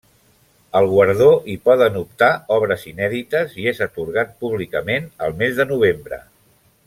Al guardó hi poden optar obres inèdites i és atorgat públicament al mes de novembre.